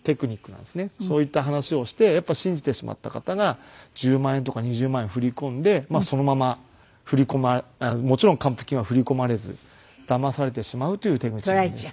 そういった話をしてやっぱり信じてしまった方が１０万円とか２０万円を振り込んでそのままもちろん還付金は振り込まれずだまされてしまうという手口なんです。